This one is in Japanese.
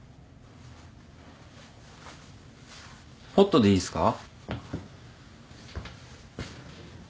ホットでいいですか？